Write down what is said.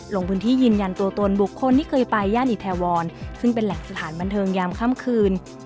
ลงพื้นที่ยืนยันตัวตนบุคคลที่เคยไปย่านอิทาวรซึ่งเป็นแหล่งสถานบันเทิงยามค่ำคืน